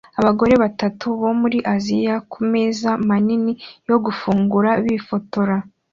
Abagore batatu bo muri Aziya kumeza manini yo gufungura bifotora